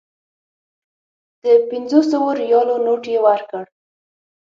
د پنځو سوو ریالو نوټ یې ورکړ.